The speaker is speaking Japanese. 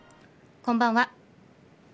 こんばんは。